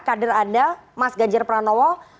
kader anda mas ganjar pranowo